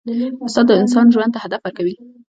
استاد د انسان ژوند ته هدف ورکوي.